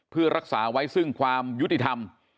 เพื่อรักษาไว้ซึ่งความยุติธรรม